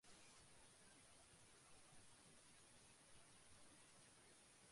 新宿の街が真っ黒で巨大な影に覆われたとき、やっと人々は気づいた。